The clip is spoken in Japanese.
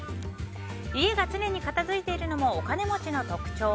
家が常に片付いているのもお金持ちの特徴。